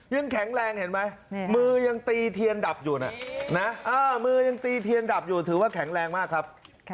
ยังแข็งแรงเห็นไหมมือยังตีเทียนดับอยู่นะถือว่าแข็งแรงมากครับ